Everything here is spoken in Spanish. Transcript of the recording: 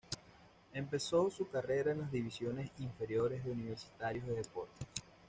Empezó su carrera en las divisiones inferiores de Universitario de Deportes.